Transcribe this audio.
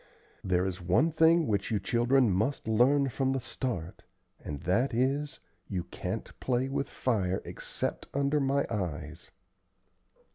There is one thing which you children must learn from the start, and that is, you can't play with fire except under my eyes."